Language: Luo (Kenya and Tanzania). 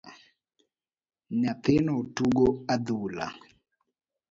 Nyathino tugo adhula